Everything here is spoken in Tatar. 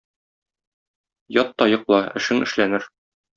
Ят та йокла, эшең эшләнер.